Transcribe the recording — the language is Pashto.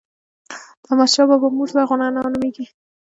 د احمدشاه بابا مور زرغونه انا نوميږي.